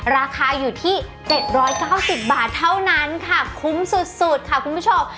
ราคาอยู่ที่๗๙๐บาทเท่านั้นค่ะคุ้มสุดค่ะคุณผู้ชม